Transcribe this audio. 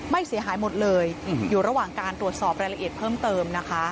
เสียหายหมดเลยอยู่ระหว่างการตรวจสอบรายละเอียดเพิ่มเติมนะคะ